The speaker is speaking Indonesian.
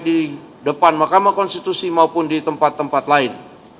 di konstitusi maupun di tempat tempat lain